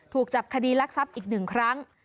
ถูกจับคดีลักษัพอีก๑ครั้ง